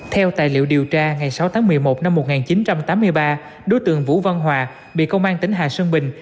theo tài liệu điều tra ngày sáu tháng một mươi một năm một nghìn chín trăm tám mươi ba đối tượng vũ văn hòa bị công an tỉnh hà sơn bình